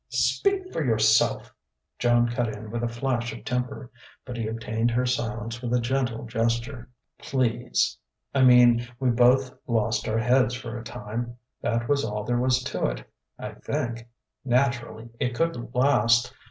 "Speak for yourself " Joan cut in with a flash of temper; but he obtained her silence with a gentle gesture. "Please ... I mean, we both lost our heads for a time. That was all there was to it, I think. Naturally it couldn't last.